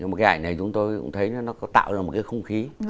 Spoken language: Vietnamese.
nhưng mà cái ảnh này chúng tôi cũng thấy nó có tạo ra một cái không khí